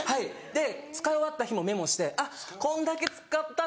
で使い終わった日もメモして「あっこんだけ使ったんだ。